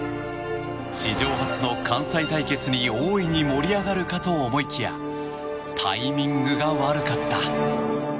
史上初の関西対決に大いに盛り上がるかと思いきやタイミングが悪かった。